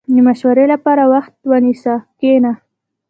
• د مشورې لپاره وخت ونیسه، کښېنه.